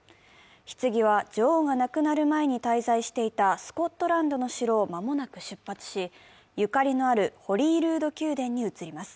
ひつぎは女王が亡くなる前に滞在していたスコットランドの城を間もなく出発し、ゆかりのあるホリールード宮殿に移ります。